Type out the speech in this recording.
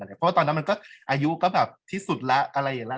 เพราะว่าตอนนั้นมันก็อายุก็แบบที่สุดแล้วอะไรอย่างนี้